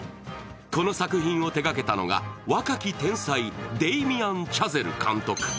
この作品を手がけたのが若き天才デイミアン・チャゼル監督。